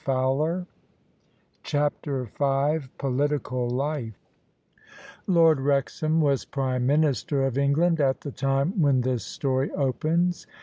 [55l CHAPTER V POLITICAL LIFE Lord Wrexham was Prime Minister of England at the time when this story opens.